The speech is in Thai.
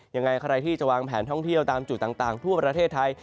ยังไงใครที่จะวางแผนท่องเที่ยวตามจุดต่างทั่วประเทศไทย